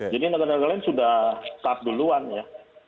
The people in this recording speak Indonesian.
jadi negara negara lain sudah setaf duluan ya